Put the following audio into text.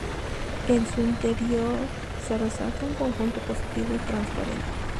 En su interior se resalta un conjunto positivo y transparente.